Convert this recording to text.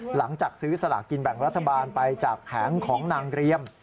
หลังจากซื้อสลากกินแบ่งรัฐบาลไปจากแผงของนางเรียม